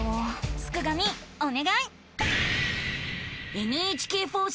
すくがミおねがい！